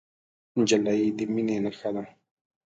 نجلۍ د مینې نښه ده.